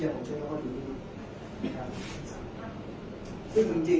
แต่ว่าไม่มีปรากฏว่าถ้าเกิดคนให้ยาที่๓๑